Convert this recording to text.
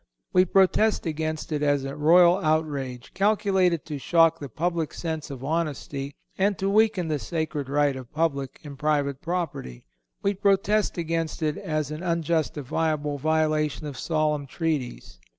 We protest against it as a royal outrage, calculated to shock the public sense of honesty, and to weaken the sacred right of public and private property. We protest against it as an unjustifiable violation of solemn treaties.